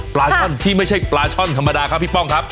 ปลาช่อนที่ไม่ใช่ปลาช่อนธรรมดาครับพี่ป้องครับ